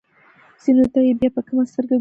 ځینو ته یې بیا په کمه سترګه ګورو.